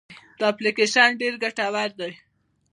دا اپلیکیشن ډېر ګټور دی.